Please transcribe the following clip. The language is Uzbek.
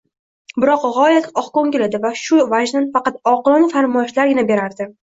Biroq u g‘oyat oqko‘ngil edi va shu vajdan faqat oqilona farmoyishlargina berardi.